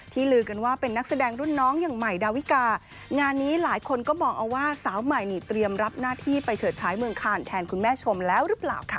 ลือกันว่าเป็นนักแสดงรุ่นน้องอย่างใหม่ดาวิกางานนี้หลายคนก็มองเอาว่าสาวใหม่นี่เตรียมรับหน้าที่ไปเฉิดฉายเมืองคานแทนคุณแม่ชมแล้วหรือเปล่าค่ะ